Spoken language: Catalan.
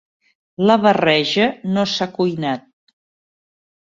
La barreja no s'ha cuinat.